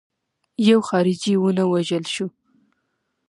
یو خارجي ونه وژل شو.